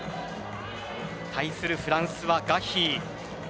対するフランスはガヒーです。